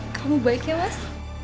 kamu baik ya mas